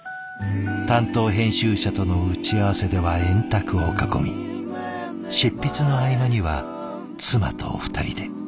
担当編集者との打ち合わせでは円卓を囲み執筆の合間には妻と２人で。